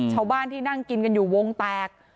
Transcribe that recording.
ชาวบ้านที่นั่งกินกันอยู่วงแตก